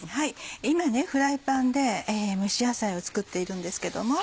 今フライパンで蒸し野菜を作っているんですけども。